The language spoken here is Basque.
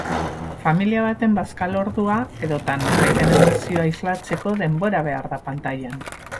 Familia baten bazkalordua edota norbaiten emozioa islatzeko denbora behar da pantailan.